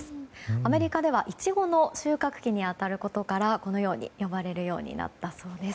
アメリカではイチゴの収穫期に当たることからこのように呼ばれるようになったそうです。